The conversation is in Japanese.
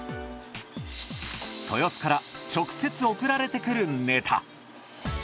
豊洲から直接送られてくるネタ。